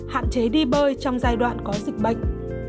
hạn chế đi bơi trong giai đoạn có dịch bệnh